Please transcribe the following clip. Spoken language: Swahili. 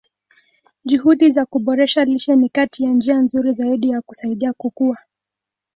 Juhudi za kuboresha lishe ni kati ya njia nzuri zaidi za kusaidia kukua.